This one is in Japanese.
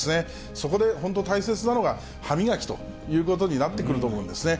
そこで本当大切なのが、歯磨きということになってくると思うんですね。